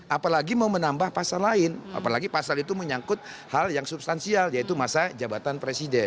apalagi mau menambah pasal lain apalagi pasal itu menyangkut hal yang substansial yaitu masa jabatan presiden